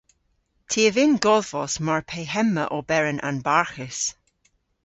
Ty a vynn godhvos mar pe hemma oberen anbarghus.